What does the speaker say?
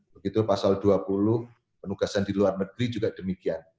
begitu pasal dua puluh penugasan di luar negeri juga demikian